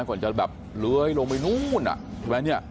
ก่อนจะแบบเล้ยลงไปนู้นใช่ไหมนี่